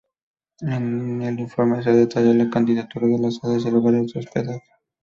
En el informe, se detalla la candidatura, las sedes y los lugares de hospedaje.